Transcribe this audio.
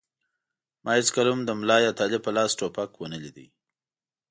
ما هېڅکله هم د ملا یا طالب په لاس ټوپک و نه لید.